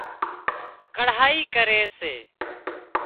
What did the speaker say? ڪڙهائي ڪري سي